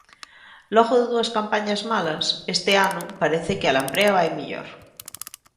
Logo de dúas campañas malas, este ano parece que a lamprea vai mellor.